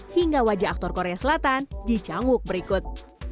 hingga wajah aktor korea selatan ji cangguk berikut